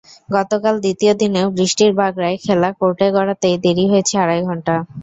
গতকাল দ্বিতীয় দিনেও বৃষ্টির বাগড়ায় খেলা কোর্টে গড়াতেই দেরি হয়েছে আড়াই ঘণ্টা।